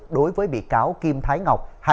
đối với bị cáo kim thái ngọc